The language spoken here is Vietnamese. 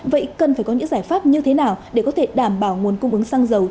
vậy cần phải có những giải pháp như thế nào để có thể đảm bảo nguồn cung ứng xăng dầu